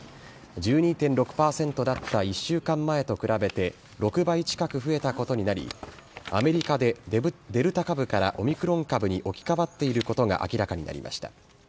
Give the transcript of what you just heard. １２．６％だった１週間前と比べて６倍近く増えたことになり、アメリカでデルタ株からオミクロン株に置き換わっていることが明らかになりました。